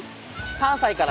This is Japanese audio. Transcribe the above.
３歳から。